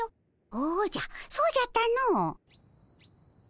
おじゃそうじゃったの。